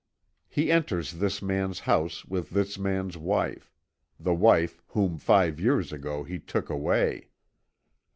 He enters this man's house with this man's wife the wife whom five years ago he took away.